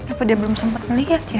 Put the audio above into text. apa dia belum sempat melihat ya